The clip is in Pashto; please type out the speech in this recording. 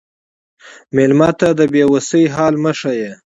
مېلمه ته د بې وسی حال مه ښیه.